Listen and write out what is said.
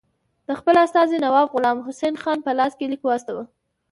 د خپل استازي نواب غلام حسین خان په لاس لیک واستاوه.